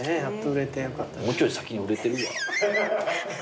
もうちょい先に売れてるわ。